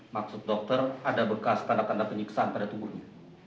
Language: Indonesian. maksud dokter ada bekas tanda tanda penyiksaan pada tubuhnya